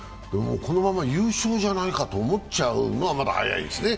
このまま優勝じゃないかと思っちゃうのはまだ早いですね。